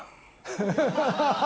フハハハ。